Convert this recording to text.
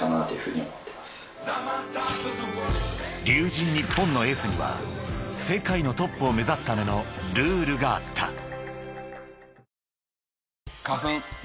［龍神ＮＩＰＰＯＮのエースには世界のトップを目指すためのルールがあった］